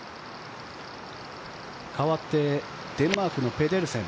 かわってデンマークのペデルセン。